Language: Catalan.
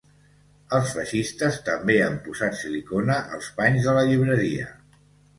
Els feixistes també han posat silicona als panys de la llibreria.